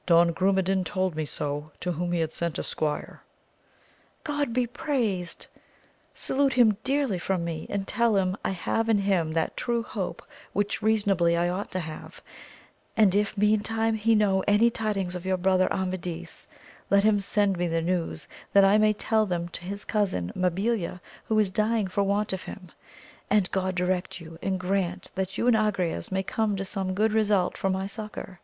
— Don Grumedan told me so, to whom he had sent a squire. — God be praised ! salute him dearly from me, and tell him I have in him that true hope which reasonably I ought to have, and if meantime he know any tidings of your brother Amadis, let him send me the news, that I may tell them to his cousin Mabilia who is dying for want of him ; and God direct you, and grant that you and Agrayes may come to some good result for my suc cour.